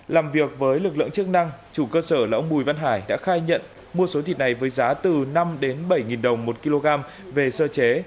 lực lượng chức năng chủ cơ sở là ông bùi văn hải đã khai nhận mua số thịt này với giá từ năm bảy đồng một kg về sơ chế